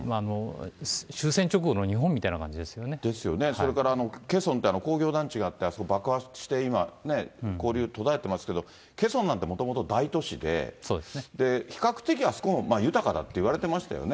それからケソンって工業団地があって、あそこ爆発して今、交流途絶えてますけど、ケソンなんてもともと大都市で、比較的あそこも豊かだっていわれてましたよね。